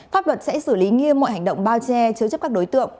pháp luật sẽ xử lý nghiêm mọi hành động bao che chứa chấp các đối tượng